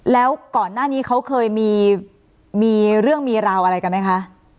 แล้วก่อนหน้านี้เขาเคยมีเรื่องมีราวอะไรกันไหมคะ